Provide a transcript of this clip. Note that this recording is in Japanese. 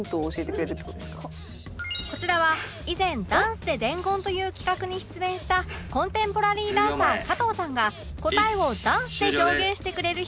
こちらは以前「ダンス ｄｅ 伝言」という企画に出演したコンテンポラリーダンサー加藤さんが答えをダンスで表現してくれるヒント